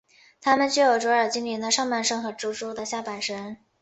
他们具有卓尔精灵的上半身和蜘蛛的下半身。